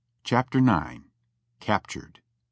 CHAPTER IX. 1 CAPTURED.